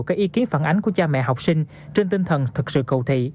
các ý kiến phản ánh của cha mẹ học sinh trên tinh thần thực sự cầu thị